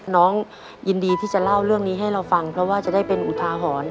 น้องยินดีที่จะเล่าเรื่องนี้ให้เราฟังเพราะว่าจะได้เป็นอุทาหรณ์